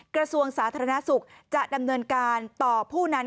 กระทรวงสาธารณสุขจะดำเนินการต่อผู้นั้น